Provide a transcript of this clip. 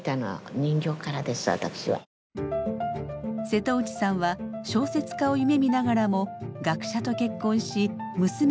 瀬戸内さんは小説家を夢みながらも学者と結婚し娘を出産。